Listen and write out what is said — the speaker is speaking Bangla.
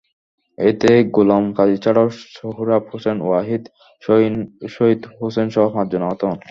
এতে গোলাম কাদির ছাড়াও সোহরাব হোসেন, ওয়াহিদ, শহীদ হোসেনসহ পাঁচজন আহত হন।